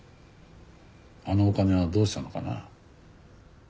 あのお金はどうしたのかな？